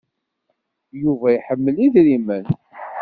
Yuba iḥemmel idrimen.